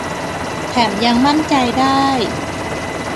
แถมยังมั่นใจได้